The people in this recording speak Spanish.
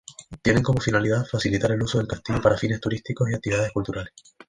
Tienen como finalidad facilitar el uso del castillo para fines turísticos y actividades culturales.